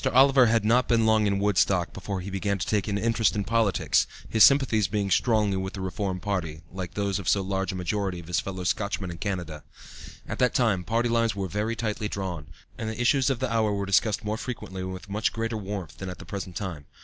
Oliver had not been long in Woodstock before he began to take an interest in politics, his sympathies being strongly with the Reform party, like those of so large a majority of his fellow Scotchmen in Canada. At that time party lines were very tightly drawn, and the issues of the hour were discussed more frequently and with much greater warmth than at the present time.